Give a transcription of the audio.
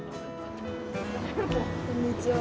こんにちは。